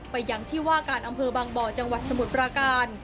ไปยังที่ว่าการอำเภอบางบ่อจังหวัดสมุทรปราการ